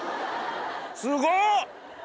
すごっ！